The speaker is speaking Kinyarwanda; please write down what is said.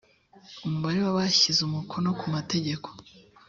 umubare w abashyize umukono ku mategeko